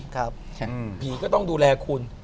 หมาติดตอนผีก็ต้องดูแลคุณ